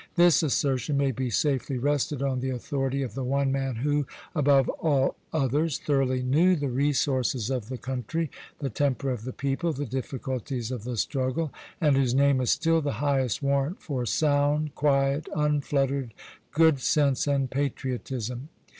This assertion may be safely rested on the authority of the one man who, above all others, thoroughly knew the resources of the country, the temper of the people, the difficulties of the struggle, and whose name is still the highest warrant for sound, quiet, unfluttered good sense and patriotism.